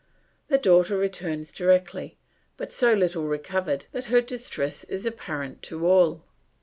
The daughter returns directly, but so little recovered that her distress is apparent to all.